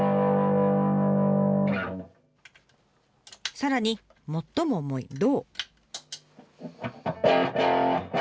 さらに最も重い銅。